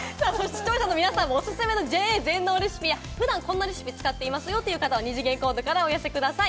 視聴者の皆さんもおすすめのＪＡ全農レシピや普段こんなレシピを使っていますよというのを二次元コードからお寄せください。